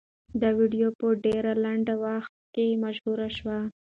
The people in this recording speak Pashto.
دا ویډیو په ډېر لنډ وخت کې مشهوره شوه.